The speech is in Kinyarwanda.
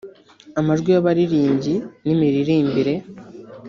amajwi y’abarirmbyi n’imiririmbire